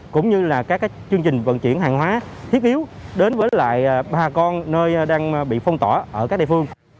cũng như là các chương trình vận chuyển hàng hóa thiết yếu đến với lại bà con nơi đang bị phong tỏa ở các địa phương